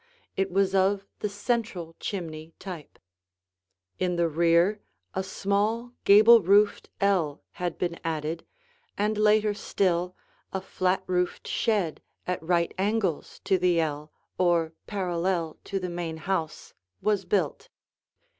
It was of the central chimney type. In the rear, a small, gable roofed ell had been added, and later still a flat roofed shed at right angles to the ell, or parallel to the main house, was built.